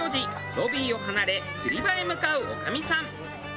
ロビーを離れ釣り場へ向かう女将さん。